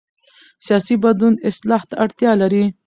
سیاسي بدلون اصلاح ته اړتیا لري